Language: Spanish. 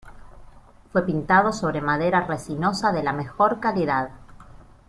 Fue pintado sobre madera resinosa de la mejor calidad.